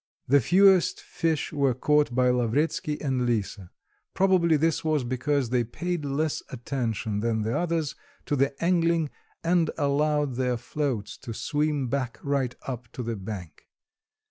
The fewest fish were caught by Lavretsky and Lisa; probably this was because they paid less attention than the others to the angling, and allowed their floats to swim back right up to the bank.